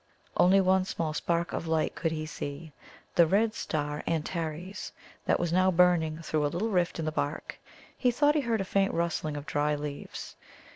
Only one small spark of light could he see the red star Antares, that was now burning through a little rift in the bark. He thought he heard a faint rustling of dry leaves.